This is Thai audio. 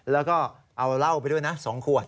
แล้วก็เอาเหล้าไปด้วยนะ๒ขวด